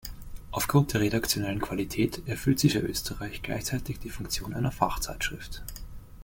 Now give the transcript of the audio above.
Aufgrund der redaktionellen Qualität erfüllt sie für Österreich gleichzeitig die Funktion einer Fachzeitschrift.